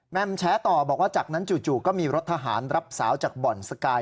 มแชร์ต่อบอกว่าจากนั้นจู่ก็มีรถทหารรับสาวจากบ่อนสกาย